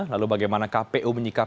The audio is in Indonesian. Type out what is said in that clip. lalu bagaimana kpu